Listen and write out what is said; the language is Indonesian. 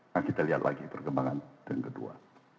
nah kita lihat lagi perkembangan yang kedua